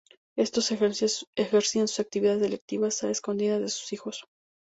Estos ejercían sus actividades delictivas a escondidas de sus hijos.